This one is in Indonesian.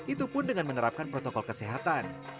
itu pun dengan menerapkan protokol kesehatan